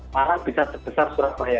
malang bisa sebesar surabaya